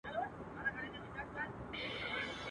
نه دي زور نه دي دولت سي خلاصولای.